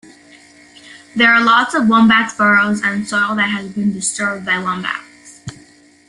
There are lots of wombat burrows and soil that has been disturbed by wombats.